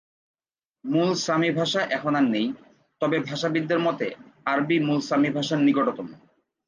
মূল সামি ভাষা এখন আর নেই, তবে ভাষাবিদদের মতে, আরবি মূল সামি ভাষার নিকটতম।